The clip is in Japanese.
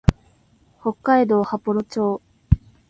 北海道羽幌町